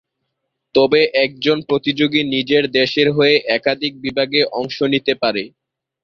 তবে, একজন প্রতিযোগী নিজের দেশের হয়ে একাধিক বিভাগে অংশ নিতে পারে।